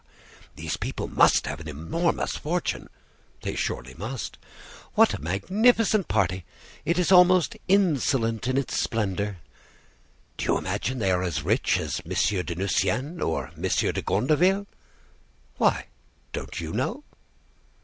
"These people must have an enormous fortune." "They surely must." "What a magnificent party! It is almost insolent in its splendor." "Do you imagine they are as rich as Monsieur de Nucingen or Monsieur de Gondreville?" "Why, don't you know?"